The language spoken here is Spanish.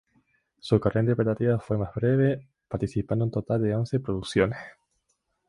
Su carrera interpretativa fue más breve, participando en un total de once producciones.